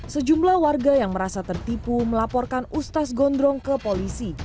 sejumlah warga yang merasa tertipu melaporkan ustaz gondrong ke polisi